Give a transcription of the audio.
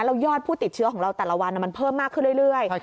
แล้วยอดผู้ติดเชื้อของเราแต่ละวันมันเพิ่มมากขึ้นเรื่อย